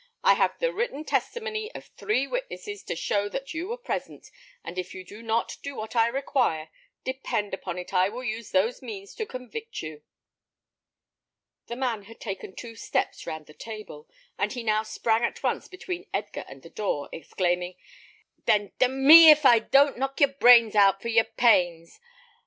"I have the written testimony of three witnesses to show that you were present; and if you do not do what I require, depend upon it I will use those means to convict you." The man had taken two steps round the table, and he now sprang at once between Edgar and the door, exclaiming, "Then d mn me if I don't knock your brains out for your pains.